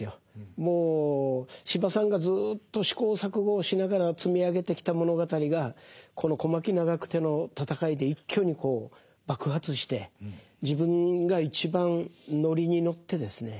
もう司馬さんがずっと試行錯誤をしながら積み上げてきた物語がこの小牧・長久手の戦いで一挙に爆発して自分が一番乗りに乗ってですね